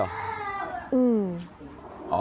เออ